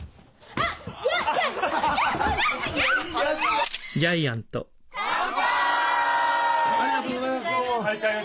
ありがとうございます。